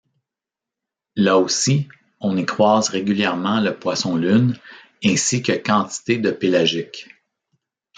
Là aussi, on y croise régulièrement le poisson lune ainsi que quantités de pélagiques.